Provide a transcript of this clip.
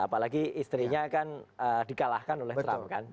apalagi istrinya kan di kalahkan oleh trump kan